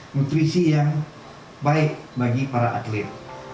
nutrisi yang baik bagi para atlet